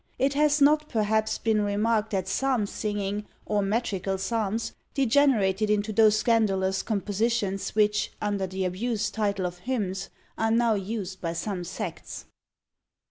It has not, perhaps, been remarked that psalm singing, or metrical psalms, degenerated into those scandalous compositions which, under the abused title of hymns, are now used by some sects.